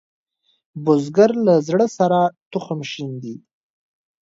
بزګر له زړۀ سره تخم شیندي